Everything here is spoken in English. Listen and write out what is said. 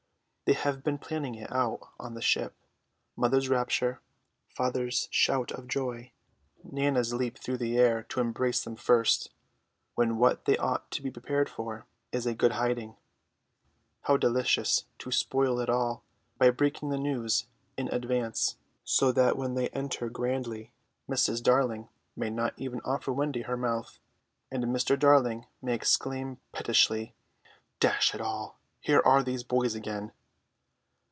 They have been planning it out on the ship: mother's rapture, father's shout of joy, Nana's leap through the air to embrace them first, when what they ought to be prepared for is a good hiding. How delicious to spoil it all by breaking the news in advance; so that when they enter grandly Mrs. Darling may not even offer Wendy her mouth, and Mr. Darling may exclaim pettishly, "Dash it all, here are those boys again."